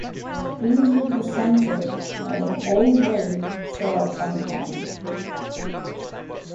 He is represented by an old rake set up on end.